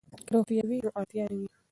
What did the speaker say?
که روغتیا وي نو اړتیا نه وي.